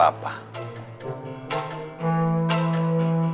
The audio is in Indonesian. dua tahun itu